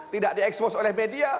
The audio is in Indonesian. tidak diekspos oleh media